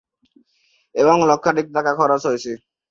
এবং লক্ষাধিক টাকা খরচ হয়েছে।